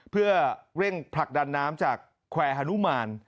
เพื่อเร่งผลักดันน้ำจากแควร์ฮานุมาน